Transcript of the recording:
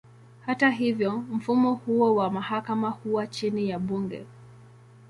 Hata hivyo, mfumo huo wa mahakama huwa chini ya bunge.